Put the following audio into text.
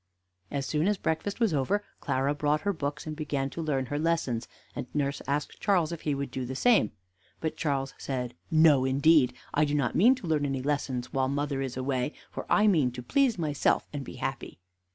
As soon as breakfast was over, Clara brought her books, and began to learn her lessons, and nurse asked Charles if he would do the same. But Charles said, "No, indeed! I do not mean to learn any lessons while mother is away, for I mean to please myself and be happy."